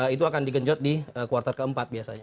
itu akan digenjot di kuartal keempat biasanya